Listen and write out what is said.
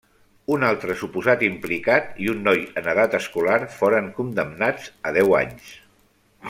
Un altre suposat implicat i un noi en edat escolar foren condemnats a deu anys.